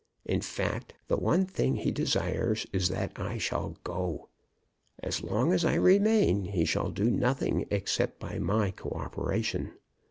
In fact, the one thing he desires is that I shall go. As long as I remain he shall do nothing except by my co operation.